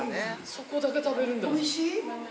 そこだけ食べるんだ。